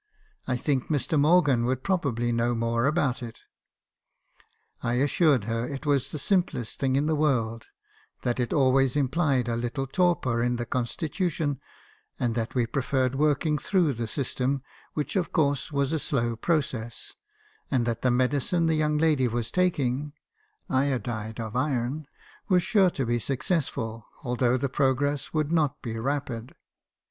I think Mr. Morgan would probably know more about it.' " I assured her it was the simplest thing in the world; that it always implied a little torpor in the constitution , and that we preferred working through the system , which of course was a slow process , and that the medicine the young lady was taking (iodide of iron) was sure to be successful, although the progress would not be rapid.